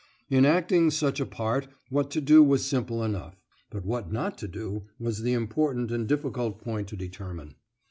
In acting such a part what to do was simple enough, but what not to do was the important and difficult point to determine.